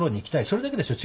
それだけでしょ？